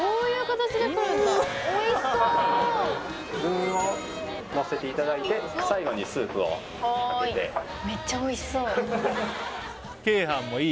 具をのせていただいて最後にスープをかけて・はい・